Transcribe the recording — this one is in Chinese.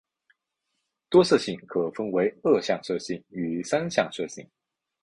多色性可分为二向色性与三向色性。